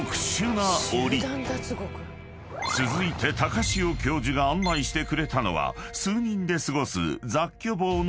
［続いて高塩教授が案内してくれたのは数人で過ごす］